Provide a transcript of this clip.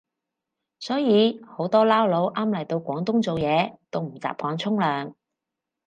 所以好多撈佬啱嚟到廣東做嘢都唔習慣沖涼